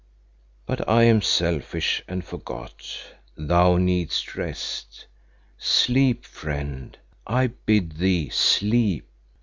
"But I am selfish, and forgot. Thou needest rest. Sleep, friend, I bid thee sleep."